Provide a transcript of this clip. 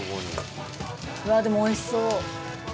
うわでもおいしそう！